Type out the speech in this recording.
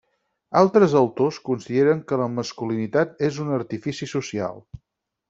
Altres autors consideren que la masculinitat és un artifici social.